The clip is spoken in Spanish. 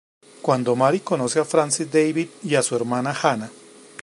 Cuando Mary conoce a Francis Davey y a su hermana Hannah.